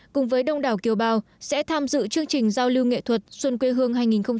cùng với đông đảo kiều bào sẽ tham dự chương trình giao lưu nghệ thuật xuân quê hương hai nghìn một mươi chín